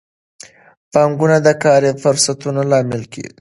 پانګونه د کاري فرصتونو لامل ګرځي.